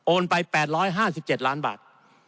ไป๘๕๗ล้านบาท